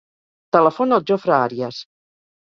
Telefona al Jofre Arias.